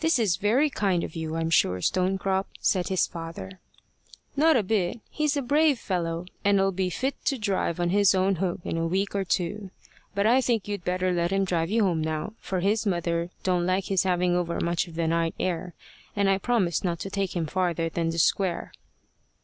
"This is very kind of you, I'm sure, Stonecrop," said his father. "Not a bit. He's a brave fellow, and'll be fit to drive on his own hook in a week or two. But I think you'd better let him drive you home now, for his mother don't like his having over much of the night air, and I promised not to take him farther than the square."